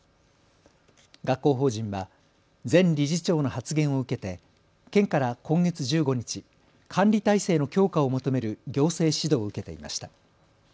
学校法人は前理事長の発言を受けて県から今月１５日、管理体制の強化を求める行政指導を受けていました。